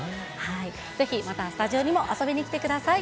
ぜひ、またスタジオにも遊びに来てください。